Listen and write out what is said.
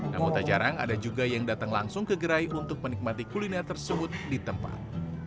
namun tak jarang ada juga yang datang langsung ke gerai untuk menikmati kuliner tersebut di tempat